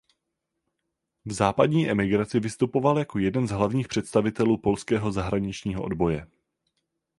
V západní emigraci vystupoval jako jeden z hlavních představitelů polského zahraničního odboje.